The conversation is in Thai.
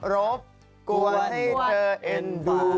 รบกวนให้เธอเอ็นดู